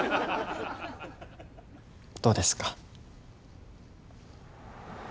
どうですか？